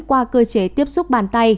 qua cơ chế tiếp xúc bàn tay